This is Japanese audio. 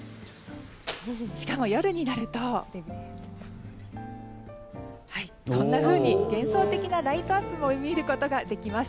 しかも夜になると幻想的なライトアップも見ることができます。